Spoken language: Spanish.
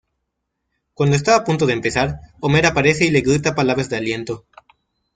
Cuando está a punto de empezar, Homer aparece y le grita palabras de aliento.